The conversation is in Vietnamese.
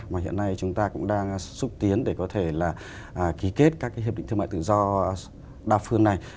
mà hiện nay chúng ta cũng đang xúc tiến để có thể là ký kết các cái hiệp định thương mại tự do đa phương này